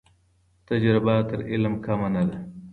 تجربه تر علم کمه نه ده.